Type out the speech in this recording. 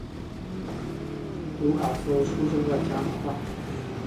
卢卡斯出生在加拿大。